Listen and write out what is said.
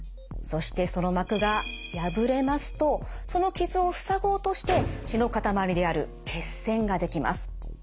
そしてその膜が破れますとその傷を塞ごうとして血のかたまりである血栓ができます。